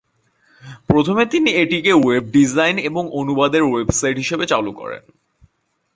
প্রথমে তিনি এটিকে ওয়েব ডিজাইন এবং অনুবাদের ওয়েব সাইট হিসেবে চালু করেন।